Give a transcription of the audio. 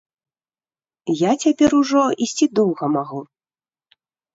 Я цяпер ужо ісці доўга магу.